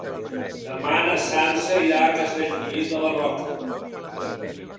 Demà na Sança irà a Castellfollit de la Roca.